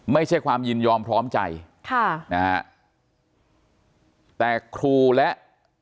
ไม่ใช่ความยินยอมพร้อมใจค่ะนะฮะแต่ครูและ